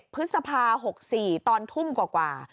พฤษภา๖๔ตอนทุ่มกว่า